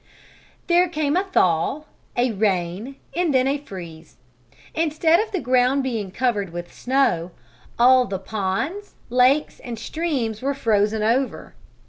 There came a thaw, a rain and then a freeze. Instead of the ground being covered with snow, all the ponds, lakes and streams were frozen over.